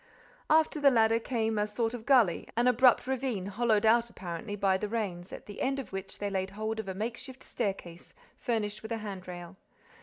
After the ladder came a sort of gully, an abrupt ravine hollowed out, apparently, by the rains, at the end of which they laid hold of a makeshift staircase furnished with a hand rail.